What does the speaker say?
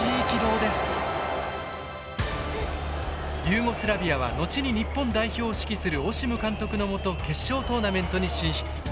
ユーゴスラビアは後に日本代表を指揮するオシム監督のもと決勝トーナメントに進出。